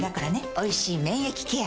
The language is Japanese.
「おいしい免疫ケア」